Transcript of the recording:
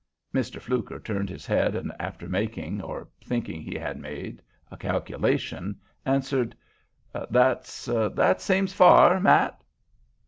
Mr. Fluker turned his head, and after making or thinking he had made a calculation, answered: "That's—that seem fa'r, Matt."